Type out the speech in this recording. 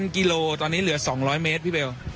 กิโลตอนนี้เหลือ๒๐๐เมตรพี่เบล